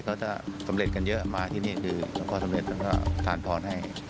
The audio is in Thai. เขาจะสำเร็จกันเยอะมาที่นี่คือหลวงพ่อสำเร็จศักดิ์สิทธิ์ก็สานพรให้